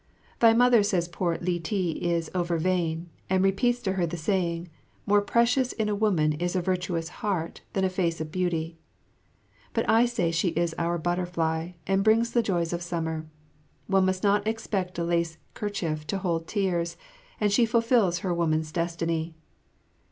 Thy Mother says poor Li ti is o'ervain, and repeats to her the saying, "More precious in a woman is a virtuous heart than a face of beauty." But I say she is our butterfly, she brings the joys of summer. One must not expect a lace kerchief to hold tears, and she fulfills her woman's destiny.